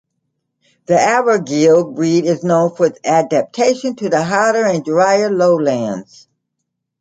The Abergele breed is known for its adaptation to the hotter and drier lowlands.